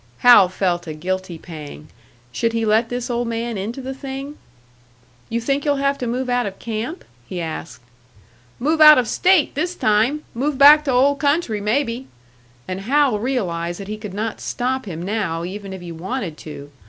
Hal felt a guilty pang. Should he let this old man into the thing? "You think you'll have to move out of camp?" he asked. "Move out of state this time! Move back to old country, maybe!" And Hal realised that he could not stop him now, even if he wanted to.